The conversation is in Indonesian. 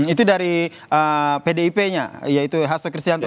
itu dari pdip nya yaitu hasto kristianto